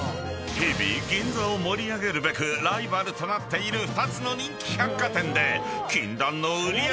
［日々銀座を盛り上げるべくライバルとなっている２つの人気百貨店で］